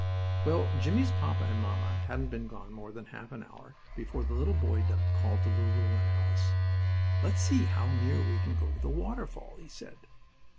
Well, Jimmie's papa and mamma hadn't been gone more than half an hour before the little boy duck called to Lulu and Alice. "Let's see how near we can go to the waterfall," he said.